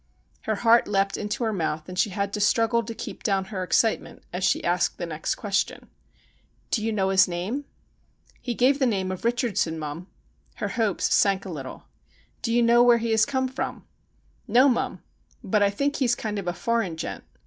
Her heart leapt into her mouth, and she had to struggle to keep down her excitement as she asked the next question :' Do you know his name ?'' He gave the name of Eichardson, mum.' Her hopes sank a little. ' Do you know where he has come from ?' THE UNBIDDEN GUEST 115 ' No, mum ; but I think he's kind of a foreign gent.